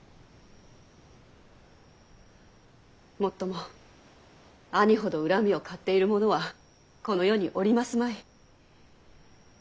もっとも兄ほど恨みを買っている者はこの世におりますまい。